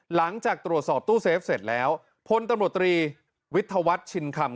หลังจากตรวจสอบตู้เซฟเสร็จแล้วพลตำรวจตรีวิทยาวัฒน์ชินคำ